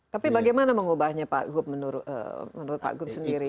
tapi bagaimana mengubahnya pak gub menurut pak gub sendiri